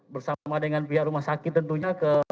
bersama dengan pihak rumah sakit tentunya ke